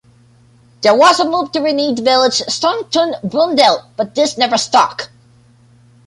There was a move to rename the village Stonton Brudenell, but this never stuck.